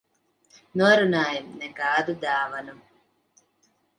Norunājām - nekādu dāvanu.